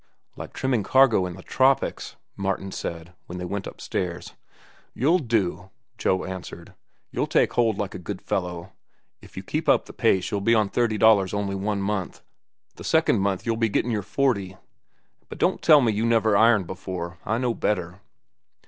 "Like trimming cargo in the tropics," Martin said, when they went upstairs. "You'll do," Joe answered. "You take hold like a good fellow. If you keep up the pace, you'll be on thirty dollars only one month. The second month you'll be gettin' your forty. But don't tell me you never ironed before. I know better."